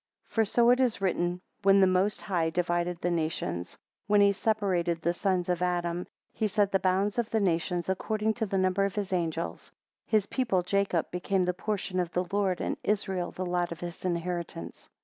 7 For so it is written, When the Most High divided the nations; when he separated the sons of Adam, he set the bounds of the nations, according to the number of his angels; his people Jacob became the portion of the Lord, and Israel the lot of his inheritance.